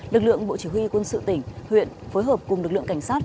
lực lượng bộ chỉ huy quân sự tỉnh huyện phối hợp cùng lực lượng cảnh sát